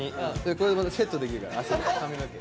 これまたセットできるから汗で髪の毛。